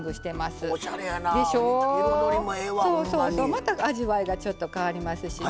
また味わいがちょっと変わりますしね。